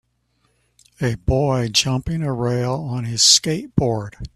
A boy jumping a rail on his skateboard.